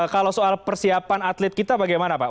kalau soal persiapan atlet kita bagaimana pak